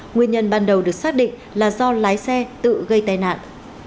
nguyên nhân ban đầu được xác định là do lái xe tự gây tai nạn